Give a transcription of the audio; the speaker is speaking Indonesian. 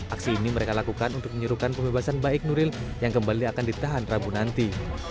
aksi ini mereka lakukan untuk menyuruhkan pembebasan baik nuril yang kembali akan ditahan rabu nanti